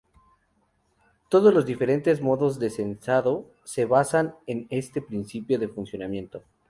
Todos los diferentes modos de censado se basan en este principio de funcionamiento.